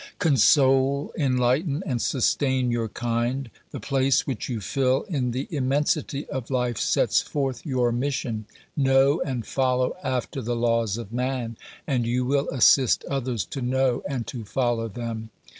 Console, enlighten and sustain your kind; the place which you fill in the immensity of life sets forth your mission. Know and follow after the laws of man, and you will assist others to know and to follow them.